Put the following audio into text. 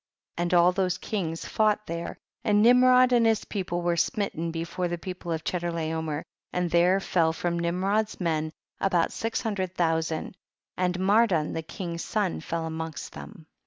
15. And all those kings fought 88 THE BOOK OF JASlIER, there, and Nimrod and his people were smitten before the people of Chedorlaomer, and there fell from Nimrod's men about six hundred thousand, and Mardon the king's son fell amongst them.